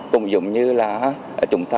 cùng dùng như là trung tâm